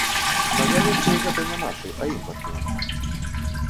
На галінцы гэта не нашы, а імпартныя.